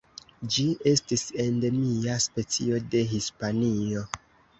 Ĝi estis endemia specio de Hispanio.